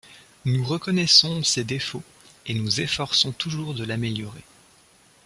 Nous reconnaissons ses défauts et nous efforçons toujours de l'améliorer.